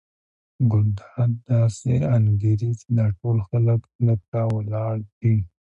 ګلداد داسې انګېري چې دا ټول خلک ده ته ولاړ دي.